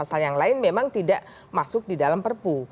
pasal yang lain memang tidak masuk di dalam perpu